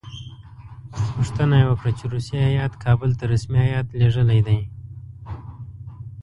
پوښتنه یې وکړه چې روسیې کابل ته رسمي هیات لېږلی دی.